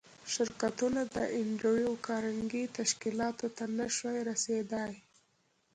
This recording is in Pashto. شرکتونه د انډریو کارنګي تشکیلاتو ته نشوای رسېدای